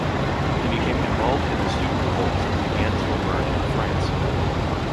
He became involved in the student revolts that began to emerge in France.